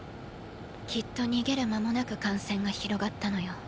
きっと逃げる間もなく感染が広がったのよ。